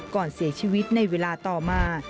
ก่อนเสียชีวิตในเวลาต่อมา